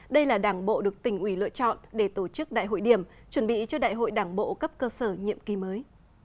đây là đảng bộ được tỉnh ủy lựa chọn để tổ chức đại hội điểm chuẩn bị cho đại hội đảng bộ cấp cơ sở nhiệm kỳ mới